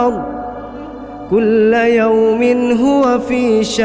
hidup yetu yutu akan menutupi hypededelnya